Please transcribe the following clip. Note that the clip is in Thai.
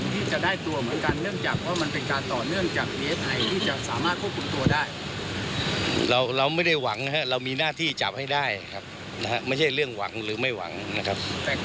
แต่การควบคุมตัวได้ตำลดก็สามารถจะดำเนินคดีต่อเนื่องจากดีเอสไอได้ใช่ไหมครับ